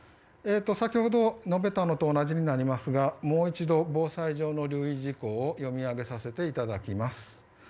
先ほど述べたのと同じになりますがもう一度、防災上の留意事項を読み上げさせていただきます。